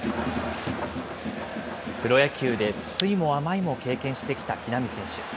プロ野球で酸いも甘いも経験してきた木浪選手。